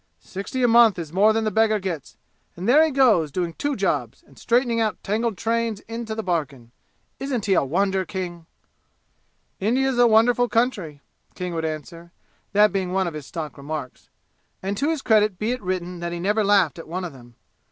Sixty a month is more than the beggar gets, and there he goes, doing two jobs and straightening out tangled trains into the bargain! Isn't he a wonder, King?" "India's a wonderful country," King would answer, that being one of his stock remarks. And to his credit be it written that he never laughed at one of them.